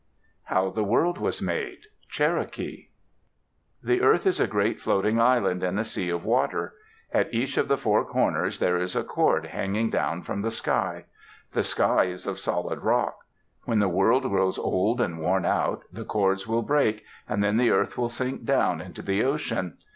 HOW THE WORLD WAS MADE Cherokee The earth is a great floating island in a sea of water. At each of the four corners there is a cord hanging down from the sky. The sky is of solid rock. When the world grows old and worn out, the cords will break, and then the earth will sink down into the ocean.